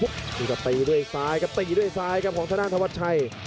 ก็ตีด้วยซ้ายก็ตีด้วยซ้ายครับของทนาธาวัชชัย